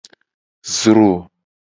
Zro.